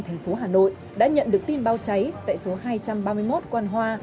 thành phố hà nội đã nhận được tin báo cháy tại số hai trăm ba mươi một quan hoa